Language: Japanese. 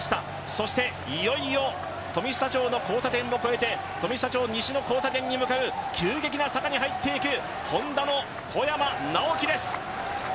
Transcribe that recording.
そして、いよいよ富久町の交差点を超えて富久町西の交差点に向けて急激な坂に入っていく、Ｈｏｎｄａの小山直城です。